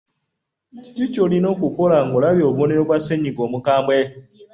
Kiki ky’olina okukola ng’olabye obubonero bwa ssennyiga omukambwe?